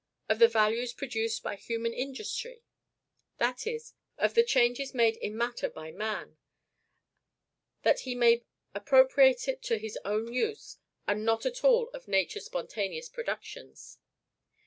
Of the values produced by human industry; that is, of the changes made in matter by man, that he may appropriate it to his own use, and not at all of Nature's spontaneous productions.